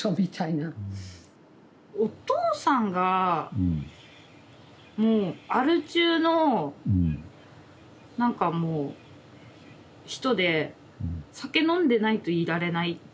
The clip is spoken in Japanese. お父さんがもうアル中の何かもう人で酒飲んでないといられない。